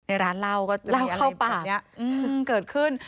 ในร้านเล่าก็จะมีอะไรแบบนี้เกิดขึ้น